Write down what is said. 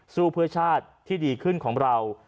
สู้เพื่อชาติที่ดีขึ้นของเรา